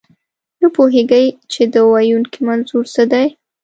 نه پوهېږئ، چې د ویونکي منظور څه دی.